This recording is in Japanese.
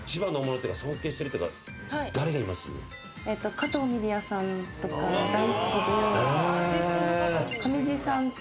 加藤ミリヤさんとか大好きで。